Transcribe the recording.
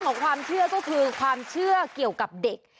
ของความเชื่อก็คือความเชื่อเกี่ยวกับเด็ก